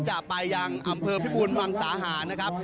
จะไปยังอำเภอพิบูรมังสาหารนะครับ